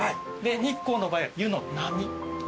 日光の場合は「湯の波」と。